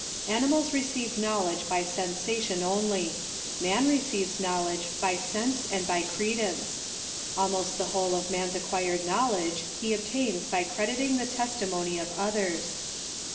Animals receive knowledge by sen sation only; man receives knowledge by sense and by credence. Almost the whole of man's acquired knowledge he obtains by crediting the testimony of others.